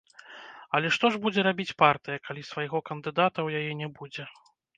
Але што ж будзе рабіць партыя, калі свайго кандыдата ў яе не будзе?